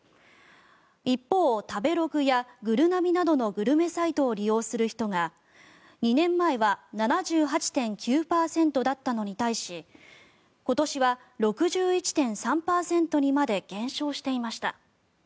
一方、食べログやぐるなびなどのグルメサイトを利用する人が２年前は７８．９％だったのに対し今年は６１．３％にまで減少していました。